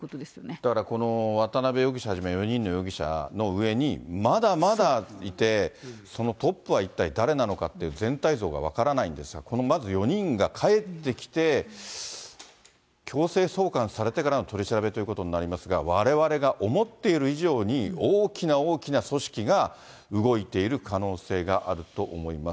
だから渡辺容疑者はじめ４人の容疑者の上に、まだまだいて、そのトップは一体誰なのかという、全体像が分からないんですが、このまず４人が帰ってきて、強制送還されてからの取り調べということになりますが、われわれが思っている以上に大きな大きな組織が動いている可能性があると思います。